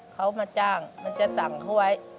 เขามาจ้างมันจะสั่งเขาไว้